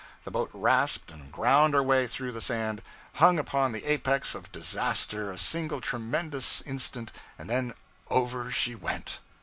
The boat rasped and ground her way through the sand, hung upon the apex of disaster a single tremendous instant, and then over she went!